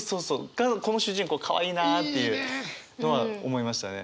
がこの主人公かわいいなっていうのは思いましたね。